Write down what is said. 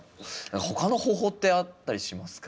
他の方法ってあったりしますか？